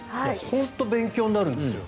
本当に勉強になるんですよ。